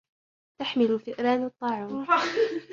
تحمل الفئران الطاعون.